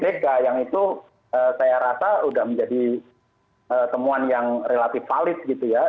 mereka yang itu saya rasa sudah menjadi temuan yang relatif valid gitu ya